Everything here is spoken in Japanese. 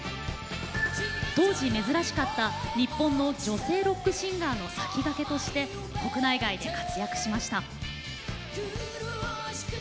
当時珍しかった日本の女性ロックシンガーのさきがけとして国内外で活躍しました。